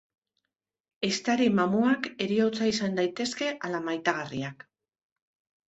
Ehiztari-mamuak heriotza izan daitezke ala maitagarriak.